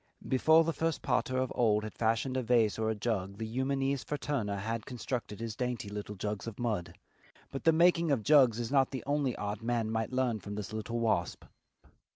Before the first potter of old had fashioned a vase or a jug the Eumenes fraterna had constructed his dainty little jugs of mud. But the making of jugs is not the only art man might learn from this little wasp.